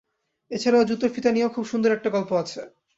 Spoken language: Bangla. এছাড়াও জুতোর ফিতা নিয়েও খুব সুন্দর একটা গল্প আছে।